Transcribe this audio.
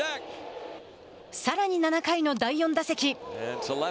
さらに７回の第４打席。